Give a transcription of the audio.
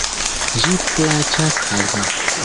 Ĝi plaĉas al mi.